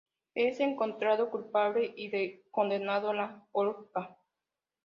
Es encontrado culpable y condenado a la horca.